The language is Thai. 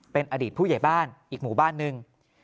เป็นอดีตผู้ใหญ่บ้านอีกหมู่บ้านหนึ่ง